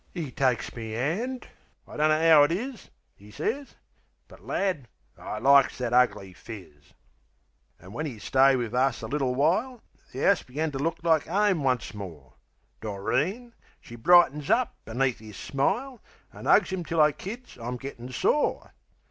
'E takes me 'and: "I dunno 'ow it is," 'E sez, "but, lad, I likes that ugly phiz." An' when 'e'd stayed wiv us a little while The 'ouse begun to look like 'ome once more. Doreen she brightens up beneath 'is smile, An' 'ugs 'im till I kids I'm gettin' sore.